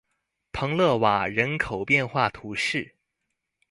蓬勒瓦人口变化图示